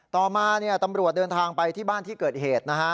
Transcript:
ต่อมาตำรวจเดินทางไปที่บ้านที่เกิดเหตุนะฮะ